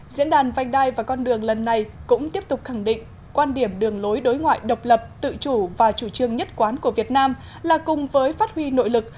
diễn đàn vành đai và con đường lần này cũng tiếp tục khẳng định quan điểm đường lối đối ngoại độc lập tự chủ và chủ trương nhất quán của việt nam là cùng với phát huy nội lực